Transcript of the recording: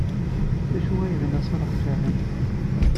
D acu ay yebna Shah Jahan?